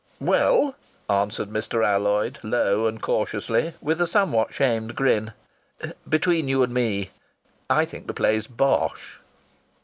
"Well," answered Mr. Alloyd, low and cautiously, with a somewhat shamed grin, "between you and me I think the play's bosh."